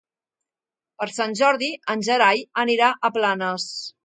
Per Sant Jordi en Gerai anirà a Planes.